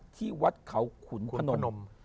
ที่วัดเขาขุนพนม